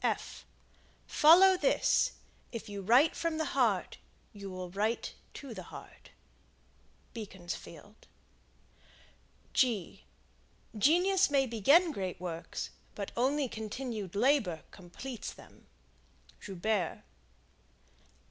Follow this: If you write from the heart, you will write to the heart. Beaconsfield Genius may begin great works, but only continued labor completes them. Joubert.